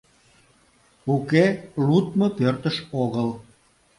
— Уке, лудмо пӧртыш огыл.